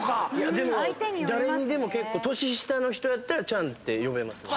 でも誰にでも年下の人やったら「ちゃん」って呼んでますね。